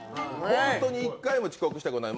本当に一回も遅刻したことがない。